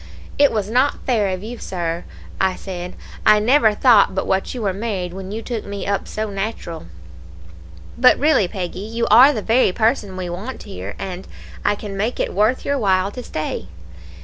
"'It was not fair of you, Sir,' I said; 'I never thought but what you were married when you took me up so natural.' "'But really, Peggy, you are the very person we want here, and I can make it worth your while to stay.